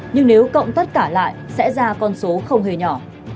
nhưng nếu cộng tất cả lại sẽ ra con số không hề nhỏ